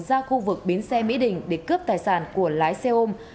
ra khu vực bến xe mỹ đình để cướp tài sản của lái xe ôm